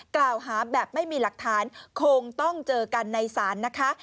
กล่าวหาแบบไม่มีหลักฐานคงต้องเจอกันในศาลนะคะ